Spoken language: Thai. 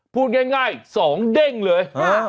พูดง่าย๒เด้งเลย